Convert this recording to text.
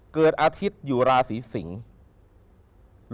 เกิดอาทิตยุราศรีสิงค์